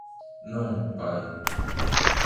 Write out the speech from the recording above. Não, pai!